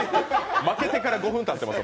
負けてから５分たってます。